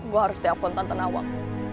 gua harus telepon tante nawang